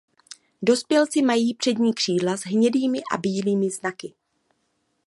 Dospělci mají přední křídla s hnědými a bílými znaky.